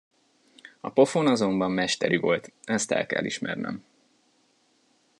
A pofon azonban mesteri volt, ezt el kell ismernem.